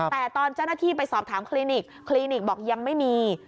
แต่ตอนเจ้าหน้าที่ไปสอบถามคลินิกคลินิกบอกยังไม่มี